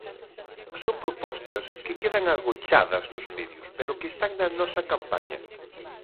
Son propostas que quedan agochadas nos medios, pero que están na nosa campaña.